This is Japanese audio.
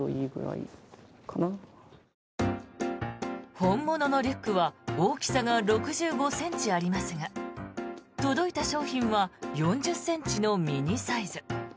本物のリュックは大きさが６５ｃｍありますが届いた商品は４０ｃｍのミニサイズ。